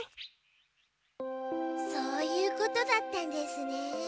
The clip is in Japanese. そういうことだったんですね。